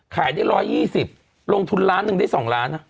ขายได้๑๒๐ลงทุนล้านหนึ่งได้๒ล้าน